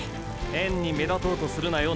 変に目立とうとするなよ